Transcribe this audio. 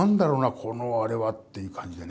このあれはっていう感じでね。